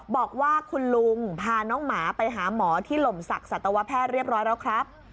บอกว่าคุณลุงพาน้องหมาไปหาหมอที่หล่มศักดิ์สัตวแพทย์เรียบร้อยแล้วครับ